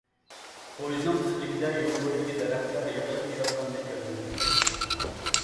پويىزنىڭ تېزلىكىدە يول بويىدىكى دەرەخلەر يىقىلىپ چۈشۈۋاتقاندەك كۆرۈنەتتى.